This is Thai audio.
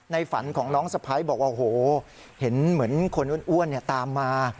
ฝันของน้องสะพ้ายบอกว่าโอ้โหเห็นเหมือนคนอ้วนตามมา